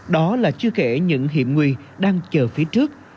đó là chưa kể những hiểm nguy đang chờ phía trước